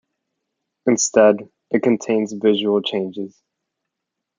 Instead, it contains visual changes.